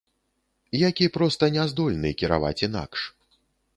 Які проста не здольны кіраваць інакш.